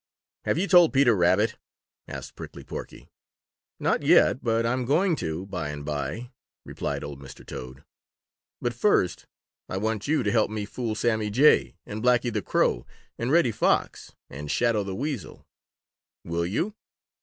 "Have you told Peter Rabbit?" asked Prickly Porky. "Not yet, but I'm going to, by and by," replied old Mr. Toad. "But first, I want you to help me fool Sammy Jay and Blacky the Crow and Reddy Fox and Shadow the Weasel. Will you?"